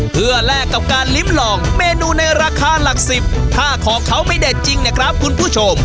เพื่อแลกกับการลิ้มลองเมนูในราคาหลักสิบถ้าของเขาไม่เด็ดจริงเนี่ยครับคุณผู้ชม